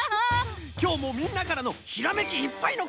きょうもみんなからのひらめきいっぱいのこうさく